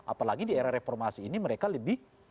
apalagi di era reformasi ini mereka lebih